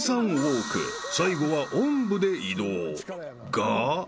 ［が］